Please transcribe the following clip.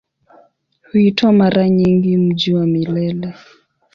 Huitwa mara nyingi "Mji wa Milele".